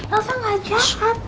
elsa gak jahat